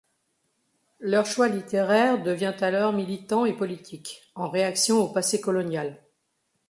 Leur choix littéraire devient alors militant et politique, en réaction au passé colonial.